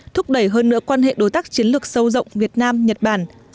thúc đẩy hơn nữa quan hệ đối tác chiến lược sâu rộng việt nam nhật bản